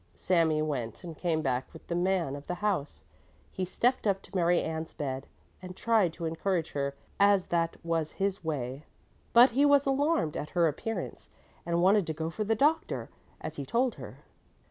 Sami went and came back with the man of the house. He stepped up to Mary Ann's bed, and tried to encourage her, as that was his way. But he was alarmed at her appearance and wanted to go for the doctor, as he told her.